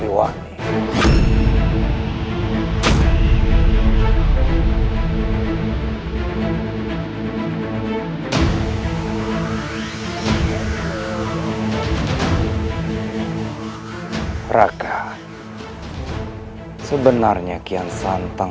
dia adalah raden kian santang